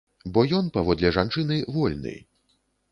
Бо ён, паводле жанчыны, вольны.